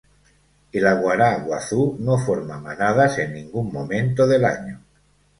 El aguará guazú no forma manadas en ningún momento del año.